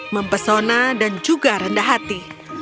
mempesona dan juga rendah hati